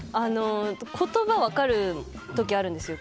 言葉分かる時あるんですよ